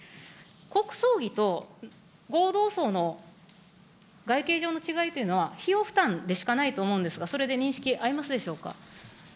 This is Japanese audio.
国葬儀と合同葬の外形上の違いというのは、費用負担でしかないと思うんですが、それで認識、合いますでしょうか。